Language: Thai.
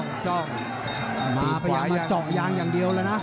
เปคะเผยต้องประชาญมาเจาะย้างอย่างเดียวเลยนะ